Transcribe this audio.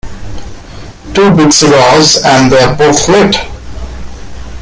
Two big cigars and they're both lit!